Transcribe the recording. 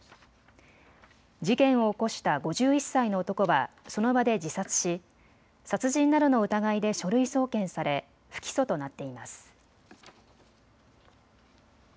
事件を起こした５１歳の男はその場で自殺し殺人などの疑いで書類送検され不起訴となっています。